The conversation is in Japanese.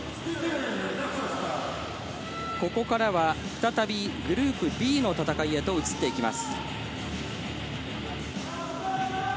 ここからは再びグループＢの戦いへと移っていきます。